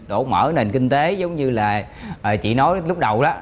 đổ mở nền kinh tế giống như là chị nói lúc đầu đó